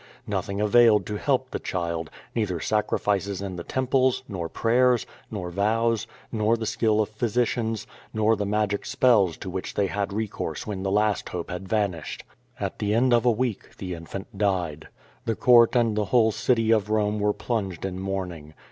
Nothing availed to help the child, neither sacrifices in the temples, nor prayers, nor vows, nor the skill of physicians, nor the magic spells to which they had recourse when the last hope had vanished. At the end of a week the infant died. The Court and the whole city of Home were plunged in mourning.